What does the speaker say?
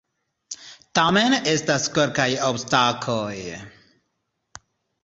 Tamen estas kelkaj obstakloj!